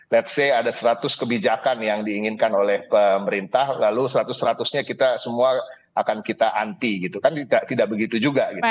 ⁇ lets ⁇ say ada seratus kebijakan yang diinginkan oleh pemerintah lalu seratus seratus nya kita semua akan kita anti gitu kan tidak begitu juga gitu